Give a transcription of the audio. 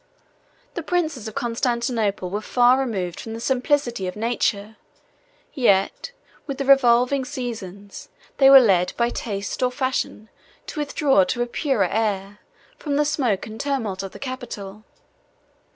The princes of Constantinople were far removed from the simplicity of nature; yet, with the revolving seasons, they were led by taste or fashion to withdraw to a purer air, from the smoke and tumult of the capital.